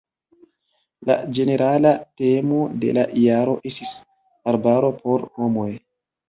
La ĝenerala temo de la jaro estis "Arbaro por homoj".